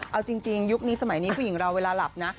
เอาจริงยุคนี้สมัยนี้ผู้หญิงเราเวลาหลับนะ